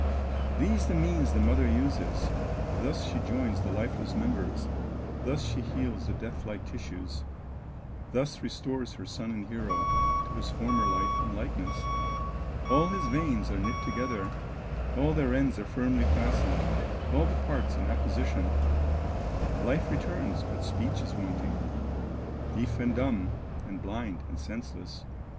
These the means the mother uses, Thus she joins the lifeless members, Thus she heals the death like tissues, Thus restores her son and hero To his former life and likeness; All his veins are knit together, All their ends are firmly fastened, All the parts in apposition, Life returns, but speech is wanting, Deaf and dumb, and blind, and senseless.